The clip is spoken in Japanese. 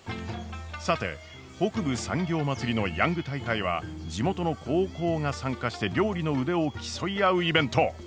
さて北部産業まつりのヤング大会は地元の高校が参加して料理の腕を競い合うイベント。